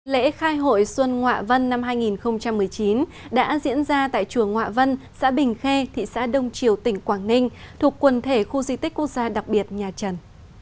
lễ khai hội xuân ngoạ vân năm hai nghìn một mươi chín đã diễn ra tại chùa ngoạ vân xã bình khê thị xã đông triều tỉnh quảng ninh thuộc quần thể khu di tích quốc gia đặc biệt nhà trần